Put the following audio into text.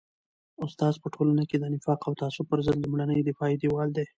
استاد په ټولنه کي د نفاق او تعصب پر ضد لومړنی دفاعي دیوال دی.